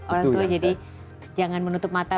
orang tua jadi jangan menutup mata